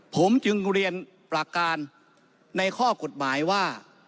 ผมจึงเรียนประการในข้อกฎหมายว่า